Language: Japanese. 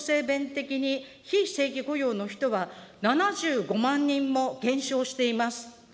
弁的に、非正規雇用の人は７５万人も減少しています。